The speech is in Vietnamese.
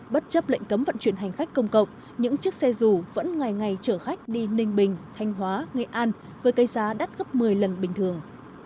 bất chấp lệnh cấm vận chuyển hành khách công cộng những chiếc xe dù vẫn ngày ngày chở khách đi ninh bình thanh hóa nghệ an với cây giá đắt gấp một mươi lần bình thường